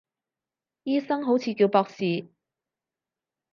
醫生好似叫博士